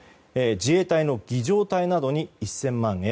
自衛隊の儀仗隊などに１０００万円。